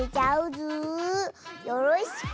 よろしく！